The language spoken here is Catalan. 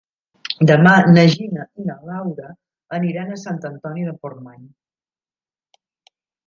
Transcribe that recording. Demà na Gina i na Laura aniran a Sant Antoni de Portmany.